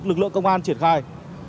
lực lượng công an triển khai